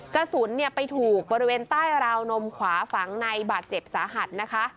กระสุนไปถูกบริเวณใต้ราวนมขวาฝังในบาดเจ็บสาหัสนะคะ